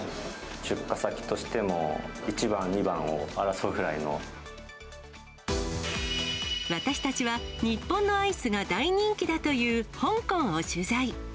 出荷先としても、私たちは、日本のアイスが大人気だという香港を取材。